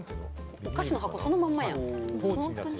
お菓子の箱そのまんまやん。